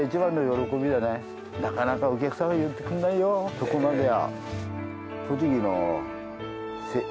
そこまでは。